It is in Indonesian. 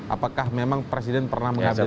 apakah memang presiden pernah mengambil